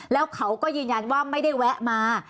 แล้วเขาก็ยืนยันว่าไม่ได้แวะมา